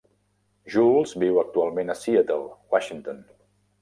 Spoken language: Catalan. Jules viu actualment a Seattle, Washington.